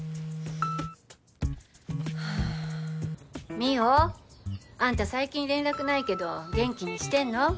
望緒あんた最近連絡ないけど元気にしてんの？